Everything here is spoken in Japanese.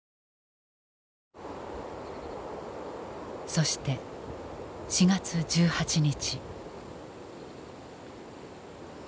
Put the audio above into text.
そして４月１８日。